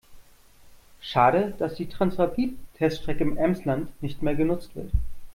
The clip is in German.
Schade, dass die Transrapid-Teststrecke im Emsland nicht mehr genutzt wird.